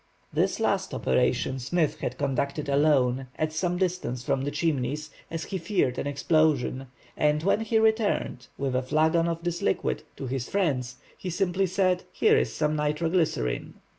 This last operation Smith had conducted alone, at some distance from the Chimneys, as he feared an explosion, and when he returned, with a flagon of this liquid, to his friends, he simply said:—"Here is some nitro glycerine!"